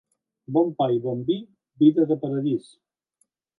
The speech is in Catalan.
Bon pa i bon vi, vida de paradís.